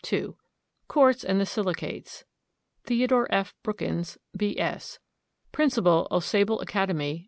II. QUARTZ AND THE SILICATES. THEO. F. BROOKINS, B.S. Principal Au Sable Academy, N.